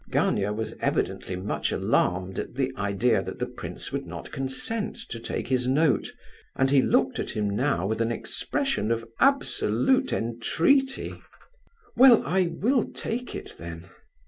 Gania was evidently much alarmed at the idea that the prince would not consent to take his note, and he looked at him now with an expression of absolute entreaty. "Well, I will take it then."